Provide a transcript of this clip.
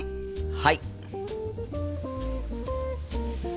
はい。